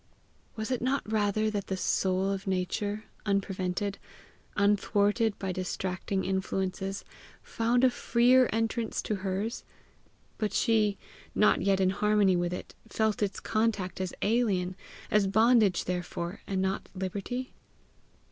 Was it not rather that the Soul of Nature, unprevented, unthwarted by distracting influences, found a freer entrance to hers, but she, not yet in harmony with it, felt its contact as alien as bondage therefore and not liberty?